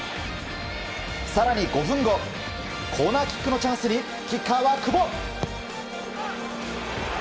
更に５分後コーナーキックのチャンスにキッカーは久保。